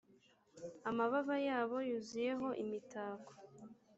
amababa yabo yuzuyeho imitako.